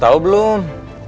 tidak tahu belum